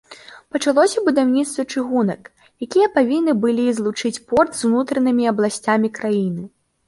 Пачалося будаўніцтва чыгунак, якія павінны былі злучыць порт з унутранымі абласцямі краіны.